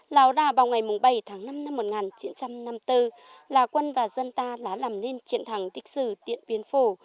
lào đà vào ngày bảy tháng năm năm một nghìn chín trăm năm mươi bốn là quân và dân ta đã làm nên triển thẳng tích xử điện biên phủ